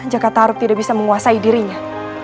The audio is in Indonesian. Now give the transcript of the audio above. jakarta harus tidak bisa menguasai dirinya